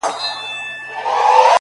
ډېوې پوري،